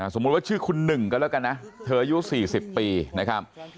สมมุติว่าชื่อคุณหนึ่งก็แล้วกันนะเธออายุ๔๐ปีนะครับ